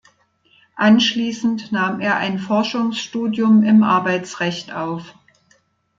Anschließend nahm er ein Forschungsstudium im Arbeitsrecht auf.